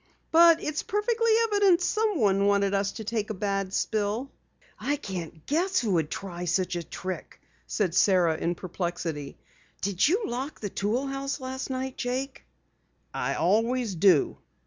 "But it's perfectly evident someone wanted us to take a bad spill." "I can't guess who would try such a trick," said Sara in perplexity. "Did you lock the tool house last night, Jake?" "I always do."